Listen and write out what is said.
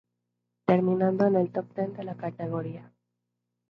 Terminando en el top ten de la categoría.